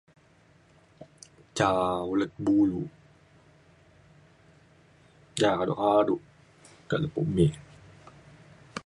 Ca ulet bulu, c kado-kado kak lepo mek